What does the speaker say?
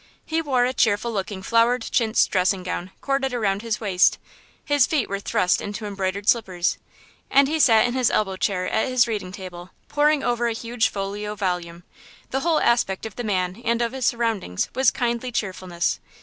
He wore a cheerful looking flowered chintz dressing gown corded around his waist; his feet were thrust into embroidered slippers, and he sat in his elbow chair at his reading table poring over a huge folio volume. The whole aspect of the man and of his surroundings was kindly cheerfulness.